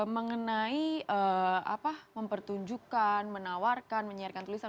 mengenai mempertunjukkan menawarkan menyiarkan tulisan